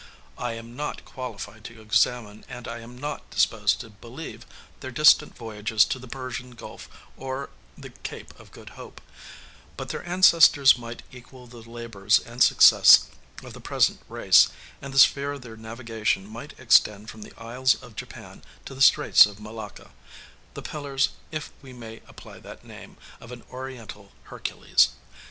I am not qualified to examine, and I am not disposed to believe, their distant voyages to the Persian Gulf or the Cape of Good Hope; but their ancestors might equal the labors and success of the present race, and the sphere of their navigation might extend from the Isles of Japan to the Straits of Malacca,—the pillars, if we may apply that name, of an Oriental Hercules.